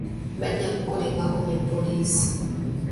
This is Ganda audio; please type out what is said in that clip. Bajja kukolebwako ne poliisi.